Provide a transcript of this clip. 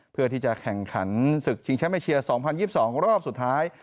เพื่อที่จะแข่งขันศึกชิงแชมป์เอเชีย๒๐๒๒รอบสุดท้าย